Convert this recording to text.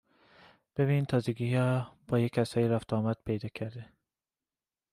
ببین این تازگیا با یه کسایی رفت و آمد پیدا کرده